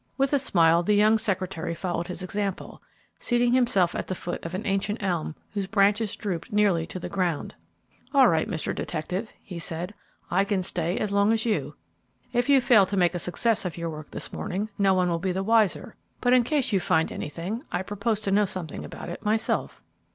With a smile, the young secretary followed his example, seating himself at the foot of an ancient elm whose branches drooped nearly to the ground. "All right, Mr. Detective!" he said, "I can stay as long as you. If you fail to make a success of your work this morning no one will be the wiser, but in case you find anything I propose to know something about it myself."